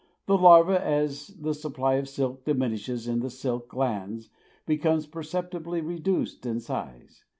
The larva, as the supply of silk diminishes in the silk glands, becomes perceptibly reduced in size.